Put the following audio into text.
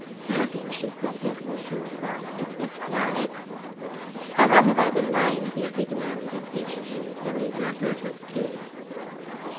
"Phil, dear," she said, hastening to his side, "is this wise?" "How long have I been lying here?" he demanded impatiently, as though he had not heard her speak.